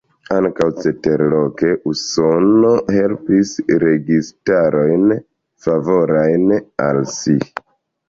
Ankaŭ ceterloke, Usono helpis registarojn favorajn al si.